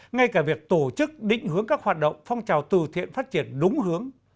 ngay cả việc tổ chức định hướng các hoạt động phong trào từ thiện phát triển đúng hướng